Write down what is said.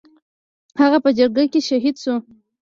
هغه په جګړه کې شهید شو.